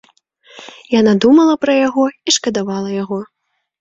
Яна думала пра яго і шкадавала яго.